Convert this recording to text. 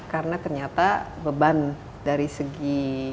karena ternyata beban dari segi